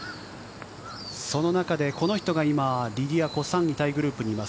その中で、この人が今、リディア・コ、３位タイグループにいます。